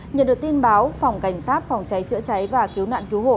nhận được tin báo phòng cảnh sát phòng cháy chữa cháy và cứu nạn cứu hộ